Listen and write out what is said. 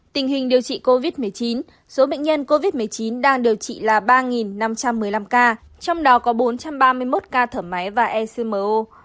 tình hình điều trị covid một mươi chín số bệnh nhân covid một mươi chín đang điều trị là ba năm trăm một mươi năm ca trong đó có bốn trăm ba mươi một ca thở máy và ecmo